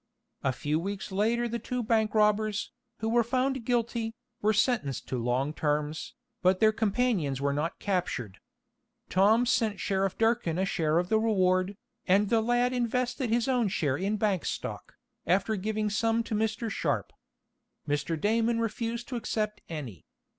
A few weeks later the two bank robbers, who were found guilty, were sentenced to long terms, but their companions were not captured. Tom sent Sheriff Durkin a share of the reward, and the lad invested his own share in bank stock, after giving some to Mr. Sharp. Mr. Damon refused to accept any.